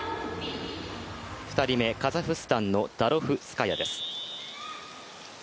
２人目、カザフスタンのダロフスカヤです。